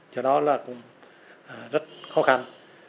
do đó là cũng rất khó khăn